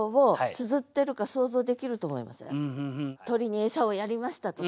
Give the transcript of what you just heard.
「鶏に餌をやりました」とか。